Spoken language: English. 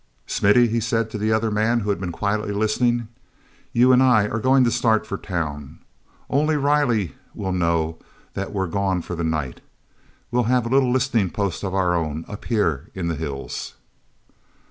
"Smithy," he said to the other man who had been quietly listening, "you and I are going to start for town. Only Riley will know that we're gone for the night. We'll have a little listening post of our own up here in the hills."